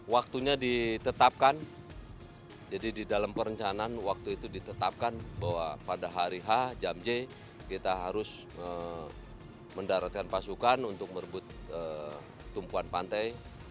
waktunya ditetapkan jadi di dalam perencanaan waktu itu ditetapkan bahwa pada hari h jam j kita harus mendaratkan pasukan untuk merebut tumpuan pantai